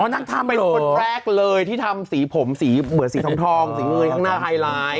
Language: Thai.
นางทำเป็นคนแรกเลยที่ทำสีผมสีเหมือนสีทองสีเงินข้างหน้าไฮไลท์